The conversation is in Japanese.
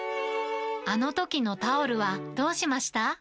あのときのタオルはどうしました？